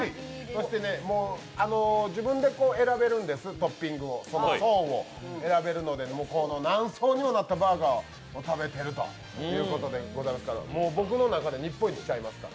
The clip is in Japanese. そして自分で選べるんです、トッピングを、その層を選べるんで何層にもなったバーガーを食べてるということでございますから僕の中で日本一ちゃいますか。